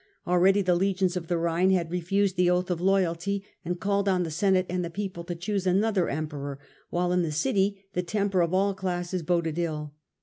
Already the legions of the Rhine had refused the oath of loyalty, and called on the Senate and the people to choose another Emperor, while in the city the temper of all classes boded ill.